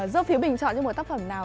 giúp phí bình chọn cho một tác phẩm nào